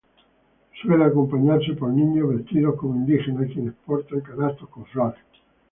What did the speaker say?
Suele acompañarse por niños vestidos como indígenas, quienes portan canastos con flores.